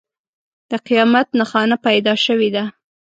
د قیامت نښانه پیدا شوې ده.